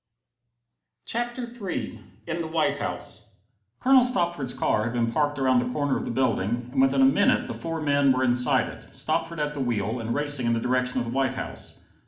CHAPTER III In the White House Colonel Stopford's car had been parked around the corner of the building, and within a minute the four men were inside it, Stopford at the wheel, and racing in the direction of the White House.